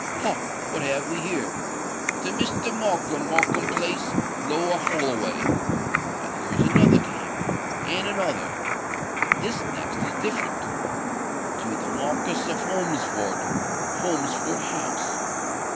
Ha! what have we here? 'To Mr. Markham, Markham Place, Lower Holloway.'—And here is another to him—and another.—But this next is different. '_To the Marquis of Holmesford, Holmesford House.